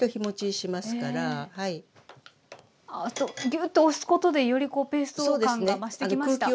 ぎゅっと押すことでよりこうペースト感が増してきました。